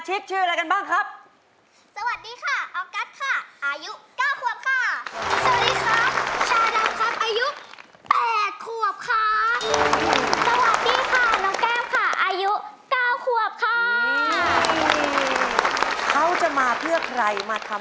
โอ้โฮพอมาก